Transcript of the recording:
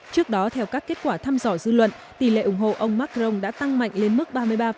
trước đó theo các kết quả thăm dò dư luận tỷ lệ ủng hộ ông macron đã tăng mạnh lên mức ba mươi ba